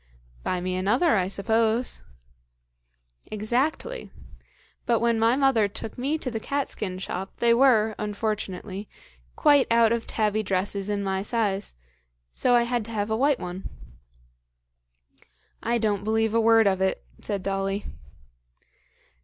"Buy me another, I suppose." "Exactly. But when my mother took me to the cat skin shop, they were, unfortunately, quite out of tabby dresses in my size, so I had to have a white one." "I don't believe a word of it," said Dolly.